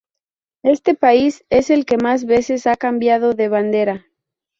Este país es el que más veces ha cambiado de bandera.